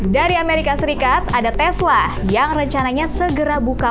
dari amerika serikat ada tesla yang rencananya segera buka